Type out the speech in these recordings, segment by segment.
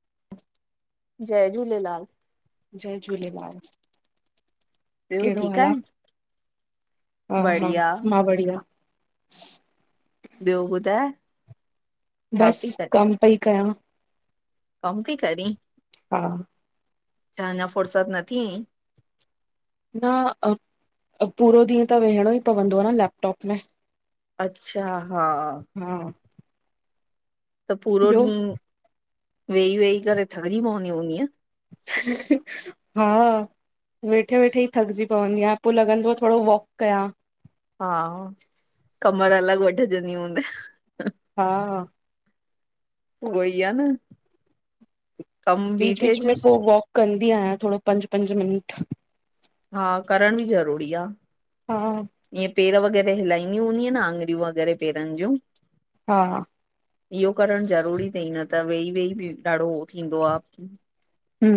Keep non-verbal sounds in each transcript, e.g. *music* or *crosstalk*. *inaudible* जय झूलेलाल। जय झूलेलाल ॿियो कहिड़ो ठीकु हाल आ? आहीं? हा हा, बढ़िया, मां बढ़िया। ॿियो ॿुधाए? छा पई बसि कम पेई कयां। कम पई करीं? हा। छा अंञा फुरसत न थी ऐं? न अ, पूरो ॾींहं त वेहणो ई पवंदो न लैपटॉप में। अच्छा, हा। हा। त पूरो ॿियो ॾींहुं, वेही वेही करे थकिजी पवंदी हूंदीअ? हा। वेठे वेठे ई थकजी पवंदी आं, पो लॻंदो आ थोरो वॉक कयां। हा, कमर अलॻ वठजंदी हूंदइ। हा। ऊ ओ ई आ न। कमु बीच बीठे बीच जो में पो वॉक कंदी आहियां थोड़ो पंज पंज मिंट। हा करण बी ज़रूरी आ। हा। ईअं पेर वग़ैरह हिलाईंदी हूंदीअ न, आङिरियूं वग़ैरह पेरनि जूं? हा। इहो करणु ज़रूरी तई, न त वेही वेही बि थढ़ो थींदो आ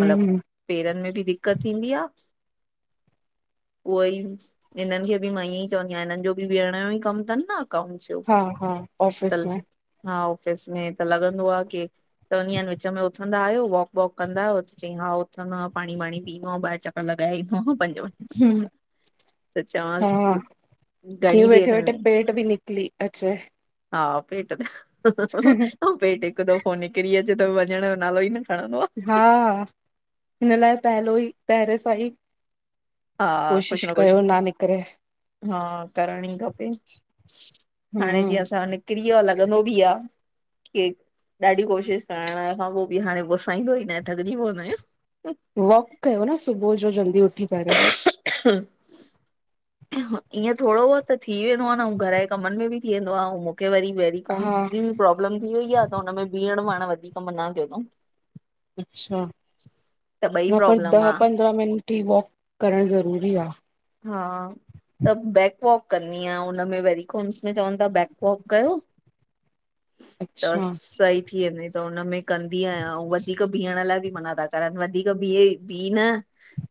मलबु पेरनि में बि दिक़त थींदी आ, उहो ई हिननि खे बी मां ईअं ई चवंदी आहियां, हिननि जो बि वेहण जो ई कम तन न, अकाउंटस जो, हा हा ऑफिस तल् में हा, ऑफिस में त लॻंदो आ कि चवंदी आनि विच में उथंदा आहियो, वॉक ॿोक कंदा आहियो? चईं हा उथंदो आं पाणी वाणी पी ईन्दो आं ॿाहिरि चक कर लॻाए ईंदो आं पांजो, हम्म त चवांस हा, हीउ वेठे वठे पेट बि निकली अचे। हा, पेट बि, अऊं पेट हिकु दफ़ो निकिरी अचे त वञण जो नालो ई न खणंदो आ। हा हिन लाइ पहलो ई पहरे सा ई हा कोशिश कुझ न कुझ कयो ना निकिरे हा करण ई खपे। हाणे हम्म जीअं असां निकरी वियो आ लॻंदो बि आ के ॾाढी कोशिशि करण खां पो बि हाणे पुसाईंदो ई ना आ थकजी पवंदा आहियूं। वॉक कयो न सुबुह जो जल्दी उथी करे। खांसने की आवाज ईअं थोड़े-बहुत त थी वेंदो आ न अउ घर ए कमनि में बि थी वेंदो आ ऐं मूंखे वरी हा वरीकोम्स जी प्रॉब्लम थी वइ आ त हुन भीहणाण वधीक मना कयो तउ अच्छा त ॿई न पर प्रॉब्लम ॾह आ पंद्रहं मिंट ई वॉक करण ज़रूरी आ। हा त बेकवॉक कन्नी आहियां हुन में वरीकोम्स में चवनि था ब बैकवॉक कयो। त अच्छा सई थी वेंदीे त हुनमें कंदी आहियां अऊ ञवधीक बीहण लाइ बि मना था करनि वधीक बीहे बिीह न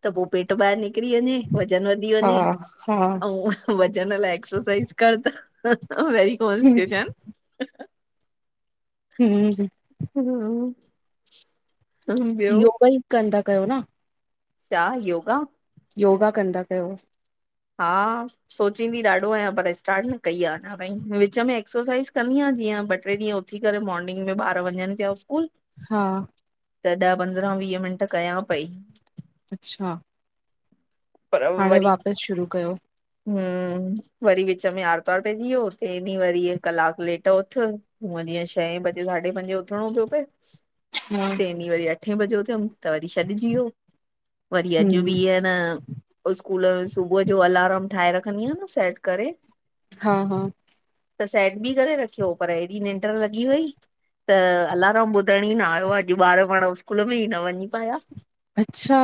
त पो पेट ॿाहिरि निकिरी वञे वज़न वधी हा वञे हा अउ वज़न लाइ एक्सरसाइज़ कर त वेरीगोस बी थयन। हम हम्म योगा ई कनंदा कयो न छाा योगा योगा कंदा कयो हा सोचींदी ॾाढो आहियां पर स्टार्ट न कई आहे अञा भाई विच में एक्सरसाइज़ कंदी आां जीअं ॿ टे ॾींहं उथी करे मोर्निंग में ॿार वञनि पिया स्कूल हा त ॾह पंद्रहं वीह मिंट कयां पई अच्छा पर हाणे वरी वापसि शुरू कयो हम्म वरी विच में आर्तवार पइजी वियो ॾींहुं वरी कलाकु लेट उथुि हूअं जीअं छहे बजे साढे पंजे उथणो थोियो पए हा टे ॾींहं वरी अठे बजे थियमि त वरी छॾिजी वियो वरी अॼु हम्म बिअ न स्कूल सुबुह जो अल ठाहे रखंदी आहियां न सेट करे हा हा त सेट बि करे रखियो पर ॾी निंड लॻी वई त अलारमाम ॿुधण ई न आयो अॼु ॿार पाण स्कूल में ई न वञी पिया अच्छा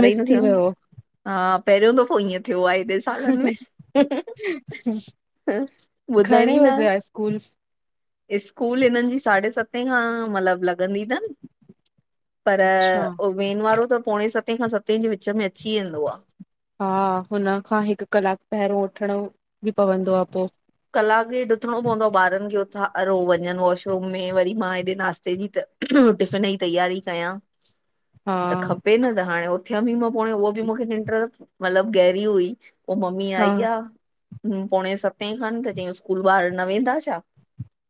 मिस थी थियमि वियो हा पहिरियों दफ़ो ईअं थियो आहे साल में ॿुधण ई घणे न बजे आहे स्कूल स्कूल हिननि जी साढे सते खां मतलबु लॻंदी अथनि पर अच्छा वेन वारो त पोणे सते खां सते जे विच में अची वेंदो आहे हा हुन खां हिकु कलाकु पहिरियों वठणो बि पवंदो आहे पोइ कलाक डेथ उथणो पवंदो आहे ॿारनि खे उथां वञनि वॉशरूम में वरी मां हेॾे नाास्ते जी त टिफ़िन जी तयारी कयां त हा, खपे न त हाणे उथियम बि मां पोण उहो बि मूंखे निंटर्ट मतलबु गहरी हुई पोइ मम्मी हा, आई आ पोणे सतें खनि त चयईं स्कूल ॿारि न वेंदा छा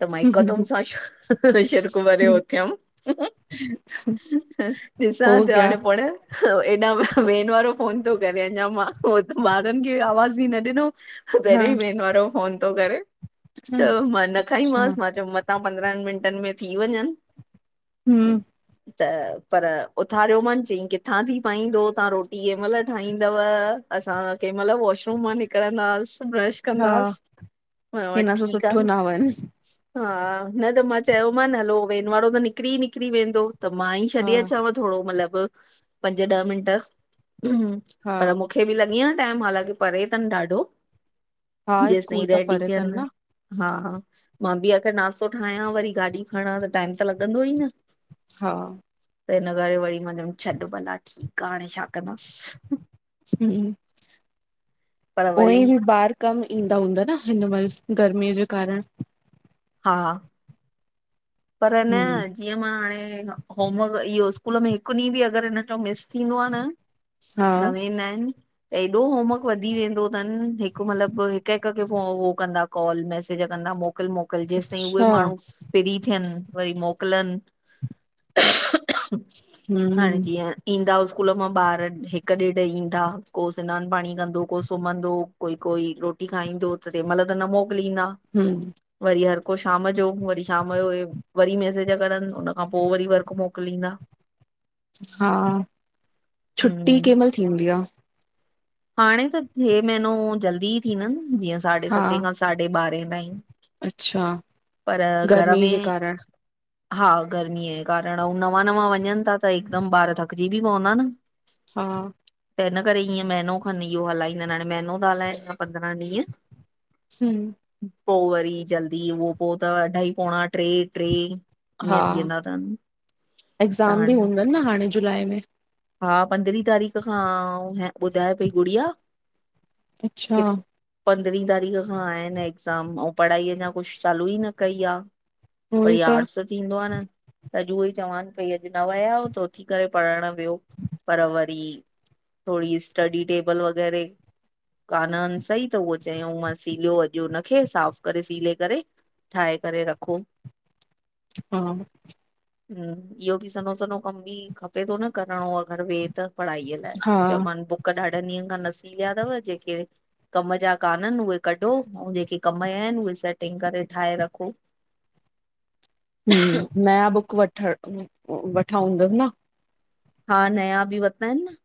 त मां हिकुदम सां शिर्क भरे उथियम हा हा। *unintelligible* ॾिसां हो ती गया हांणे पाण हेॾा वेन वारो फोन थो करे अञा मां ॿारनि खे आवाज़ ई न ॾिनो हा, पहिरियों ई वेन वारो फोन थो करे ह त मां न अच्छा, खाईमांस मां चयो मतां पंद्रहनि मिंटनि में थी वञनि हम्म, त पर उथारियो मान चयईं किथां थी पाईंदो तव्हां रोटी केंहिं महिल ठाहींदव असां केंहिं महिल वॉशरुम मां निकरंदासीं ब्रश हा, कंदासीं मा चयो हिन सां ठीकु आ सुठो न वञ, हा न त मां चयोमानि हलो वेन वारो त निकिरी निकिरी वेंदो त मां ई हा, छॾे अचांव थोरो मतिलबु पंज ॾह मिंट हा, पर मूंखे बि लॻेआ टाइमु हालांकी परे अथनि ॾाढो हा, जेसि स्कूल ताईं त रेडी परे तन थियनि न, हा हा मां बि आखिर नाश्तो ठाहियां वरी गाॾी खणा त टाइमु त लॻंदो ई न हा त हिन करे वरी मां चयुम छॾ भला ठीकु आ हाणे छा कंदासि हूं पर वरी उहे बि ॿारि कम ईंदा हूंदा न हिन महिल गर्मीअ जे कारण हा पर न हम्म, जीअं मां हाणे होमवर्क इहो स्कूल में हिकु ॾींहुं बि अॻरि हिनॼो मिस थींदो आ न हा, न वेंदा आहिनि त एॾो होमवर्क वधी वेंदो अथनि हिकु मतलबु हिकु हिकु खे उहो कंदा कॉल मैसेज कंदा मोकिल मोकिल जेसि ताईं उहे अच्छा, माण्हू फ्री थियनि वरी मोकिलनि हाणे हम्म, जीअं ईंदा स्कूल मां ॿार हिकु ॾेढ ईंदा को सनानु पाणी कंदो को सुम्हंदो कोई कोई रोटी खाईंदो त तेंहिं महिल त न मोकिलींदा हूं वरी हर को शाम जो वरी शाम पयो वरी मैसेज करनि हुन खां पोइ वरी वर्क मोकिलींदा हा छुटी हम्म केंहिं महिल थी थिंदीआ। हाणे त हे महीनो जल्दी ई थींदन जीअं साढे हा, सतें खां साढे ॿारहें ताईं अच्छा पर ग घर में हा गर्मीअ जे कारण अउं नवां नवां वञनि था त हिकदमि ॿारि थकिजी बि पवंदा न हा त हिन करेे हीअं महीनो खनि इहो हलाईंदा आहिनि हाणे महीनो त हलाइनि या पंद्रहं ॾींहुं हूं पोइ वरी जल्दी उहो पोइ त अढाई पोणा टे टे हा थी वेंदा अथनि त एग्ज़ाम बि हाणे हूंदनि न हाणे जुलाई में हा पंद्रहीं तारीख़ खां ॿुधाए पई गुड़िया अच्छा, क पंद्रहीं तारीख़ खां आहिनि एग्ज़ाम ऐं पढ़ाई अञा कुझु चालू ई न कई आ उहोई तैयार त, सां थींदो आह न, त अॼु उहो ई चवनि पई अॼु न वियायो त उथी करे पढ़णु वयो। पर वरी थोरी स्टडी टेबल वग़ैरह कानन, सही त उअ चयऊं मां सिलयो अॼु हुनखे साफ़ करे सिले करे उनखे। ठाहे करे रखो। हा। हु, इहो बि सन्हो सनो कम बि खपे थो न करणो अगरि वेह त। पढ़ाईअ लाइ हा चयोमानि बुक ॾाढनि ॾींहंनि खां नसीलिया थव जेके कम जा काननि उहे कढो, ऐं जेके कम जा आहिनि उहे सेटिंग करे ठाहे रखो। नयां बुक वठण वठां हूंदन न। हा नया बि वता आहिन न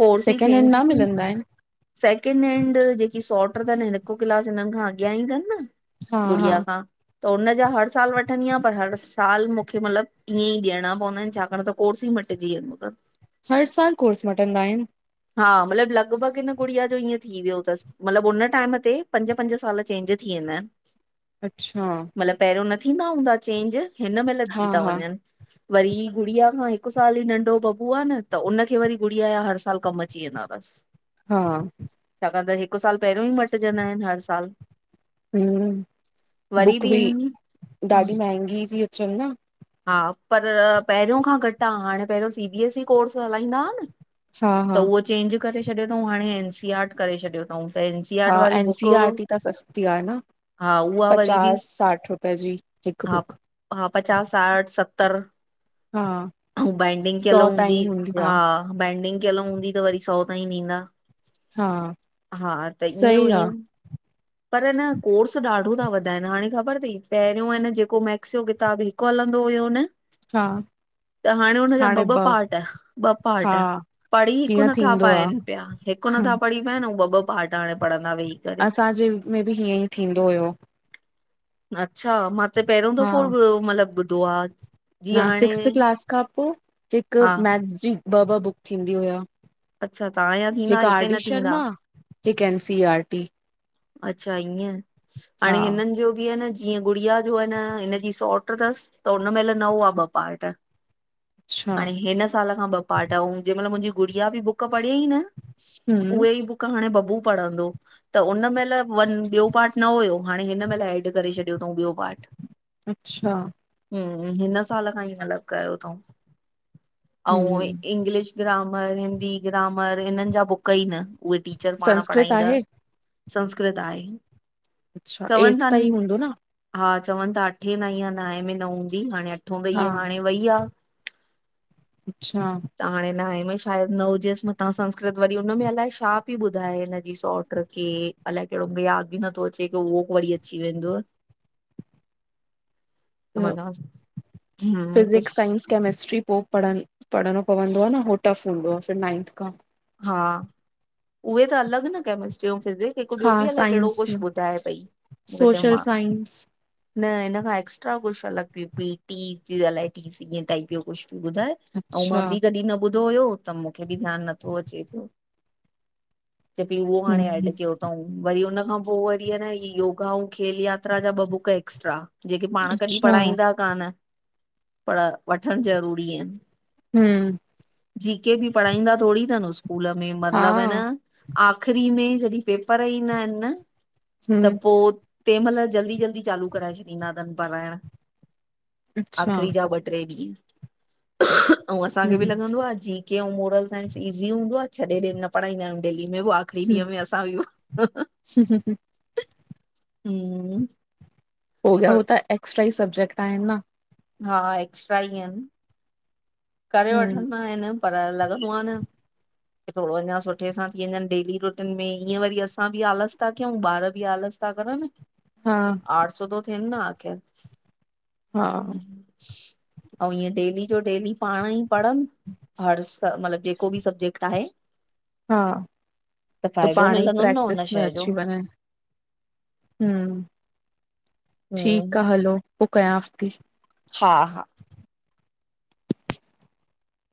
कोर्स ई सेकेंड हैंड चेंज न थी मिलंदा आहिनि सैकेंड हैंड जेकी सॉट थनि हिकु क्लास हिननि खां अॻियां ई थनि न। हा हा गुड़िया खां। त हुन जा हर साल वठंदी आह, पर हर साल मूंखे मतिलब ईअं ई ॾियणा पवंदा आहिन छाकाण त कोर्स ई म ट जी वेंदो थन। हर साल कोर्स मटंदा आहिन। हा मतिलबु लॻभॻि हिन गुड़िया जो ईअं थी वियो थसि। मतिलबु उन टाइम ते पंज, पंज साल चेंज थी वेंदा आहिन अच्छा। मतलब पहिरियों न थींदा हूंदा चेंज, हिन महिल हा थी था हा वञनि। वरी गुड़िया खां हिकु साल ई नंढो बबू आ न त उनखे वरी गुड़िया यां हर साल कमु अची वेंदा थस। हा। छाका त हिकु साल पहिरियों ई मटिजंदा आहिनि, हर साल। हु वरी बुक बि इन ॾाढी महगी थी अचनि न। हा, पर पहिरियों खां घटि आ, हाणे पहिरियों सी बीएसई कोर्स हलाईंदा आ न। हा हा त उहो चेंज करे छॾियो थऊं हाणे एन सी आरट करे छॾियो थऊं। हा, एनसीआरटी त सस्ती आह न। हा उहा वरी बि पचास, साठ रुपए जी हिकु हा बुक। हा, पचास, साठ सतरि, हा ऐं बाइंडिंग सौ कीअलि हूंदी, ताईं आ हा। हा बाइंडिंग कयल हूंदी त वरी सौ ताईं ॾींदा हा हा त ईअं सही हुई। आ पर न कोर्स ॾाढो था वधाइनि हाणे ख़बर थई पहिरियों हन जेको मैक्स किताब *unintelligible* हलंदो हुयो न हा। त हाणे हुनजा ॿ ॿ पार्ट ॿ हा पार्ट पढ़ी हिकु हीअं नथा थींदो आ पाइनि पिया, हिकु नथा पढ़ी पाइनि ऐं ॿ ॿ पार्ट हाणे पढ़ंदा वेही। करे असांजे में बि हीअं ई थींदो हुयो। अच्छा मां त पहिरों हा दफ़ो मतलब ॿुधो आ। न सिक्स्थ क्लास खां पोइ हिकु हा मैथ्स जी ॿ ॿ बुक थींदी हुया। अच्छा तहांया थींदा हिकु आर हिते डी न शर्मा थींदा। हिकु न सी आर टी। अच्छा ईअं, हा हाणे हिननि जो बि आ न ईंय गुड़िया जो आ न हिन जी सोरट् थसि त हुन महिल न हुआ ॿ पार्ट। अच्छा हाणे हिन साल खां ॿ पार्ट अए जंहिं महिल मुंहिंजी गुड़िया बि बुक बुक् पॾयइ न, हम्म उहे ही बुक हाण बॅबु पढ़ंधो त उन महेल वन ॿियो पार्ट न हुयो हाणे हिन मल ऐड करे छॾियो अथऊं ॿियो पार्ट। अच्छा। हं, हिन साल खां ई मतलब कयो अथऊं आऊ हम्म इंग्लिश। ग्रामर हिंदी ग्रामर हिनन जा बुक ई न उहे टीचर पाण संस्कृत पढ़ाईंदा आहे संस्कृत आहे अच्छा चवन एट्थ था। ताईं हूंदो न हा चवन था अठे ताईं आहे नाए में न हूंदी हाणे अठो तई हा आहे हाणे वई आ। अच्छा। त हाणे न हे में शायद न हुजेस म तां संस्कृत वरी हुनमें अलाए छा पई ॿुधाए हिनजी सोट। तकी। अलाए केहॾो ब्या बि नथो अचे के उहो वरी अची वेंदो। ॿियो वान्न्या सी, हं कास। कैमिस्ट्री पो पढ़ पढ़णो पवंदो आ न हो टफ हूंदो आहे फिर नाइंथ खां। हा उहे त अलॻ न केमिस्ट्री फिर भी। हिक हा ॿियो बि अलाए केहड़ो साइंस कुछ में ॿुधाए पई मूंखे तां। सोशल साइंस न हिन खां एक्स्ट्रा कुछ अलॻ पी टी थ्यो अलाए टी सी भई ब्यो कुछ ॿुधाए। आऊ अच्छा मां बि कॾहिं न ॿुधो हुयो त मूंखे बि ध्यान नथो अचे पयो। ती पी उहो हाणे हम्म एड कयो। अऊ वरी हुन खां पो वरी ह न योगा आऊ खेल यात्रा जा ॿ बुक एक्स्ट्रा। जेके पाण कॾहिं अच्छा पढ़ाईंदा कान पर वठण ज़रूरी आ। हम्म जी के बि पढ़ाईंदा थोरी थन स्कूल में हा मतलब ह न। आख़िरी में जॾहिं पेपर ईंदा आहिन न त हम्म पो। तंह मल जल्दी जल्दी चालू कराए छॾींदा धन पाऱाइण। अच्छा आख़िरी जा ॿ ट्रे ॾींहं। अऊ असांखे बि हम्म लॻंदो आ जी के आऊ मोरल सांइन्स। ईज़ी हूंदो आ छॾेॾ न पढ़ाईंदा आऊ देहली में। एही धीअ में असां बि हं। पोला हो त एक्स्ट्रा ई सब्जेक्ट आहिन न। हा एक्स्ट्रा ई आहिन। करे वठंदा आहिन पर लॻंदो आह न। की थोरो अञा सुठे सां थी वञन डेली रुटीन में ईअं वरी असां बि आलस था कयूं ॿार बि आलस। प करण। हा। आठ सो त थिएनदा आखिर। हा आऊ ईअं डेली जो डेली पाण ई। पढ़ हर मतलब जेको बि सब्जेक्ट आहे। ह त फ़ाइदो पाण ई मिलंदो न प्रैक्टिस हुन में शइ जो अची वञ। हं हं, ठीकु हम्म आ हलो‌। पो कयाफ़्ती। हा हा‌।